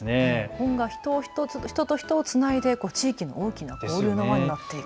本が人と人をつないで地域の大きな交流の輪になっていく。